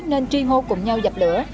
nên tri hô cùng nhau dập lửa